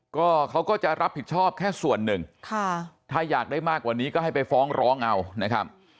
ก็เขาก็จะรับผิดชอบแค่ส่วนหนึ่งค่ะถ้าอยากได้มากกว่านี้ก็ให้ไปฟ้องร้องเอานะครับ